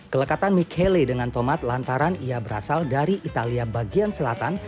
kelekatan michele dengan tomat lantaran ia berasal dari italia bagian selatan